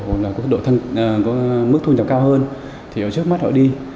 có mức thu nhập cao hơn thì ở trước mắt họ đi